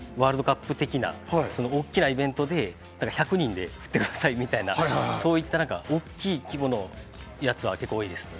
やっぱりワールドカップ的な大きなイベントで１００人で振ってくださいみたいな、こういった大きい規模のやつは結構多いです。